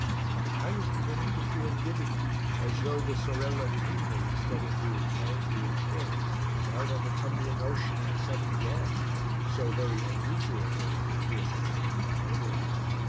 I was beginning to feel giddy, as though the Sorella di Ninu, instead of being quietly in port, was out on the tumbling ocean in a sudden gale, so very unusual is it to hear such opinions in Italy.